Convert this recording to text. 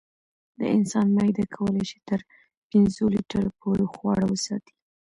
د انسان معده کولی شي تر پنځو لیټرو پورې خواړه وساتي.